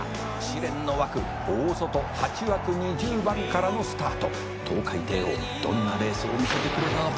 「試練の枠大外８枠２０番からのスタート」「トウカイテイオーどんなレースを見せてくれるのか」